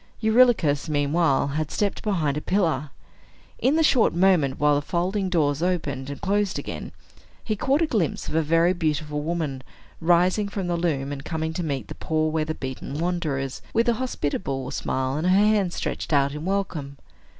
Eurylochus, meanwhile, had stepped behind a pillar. In the short moment while the folding doors opened and closed again, he caught a glimpse of a very beautiful woman rising from the loom, and coming to meet the poor weather beaten wanderers, with a hospitable smile, and her hand stretched out in welcome.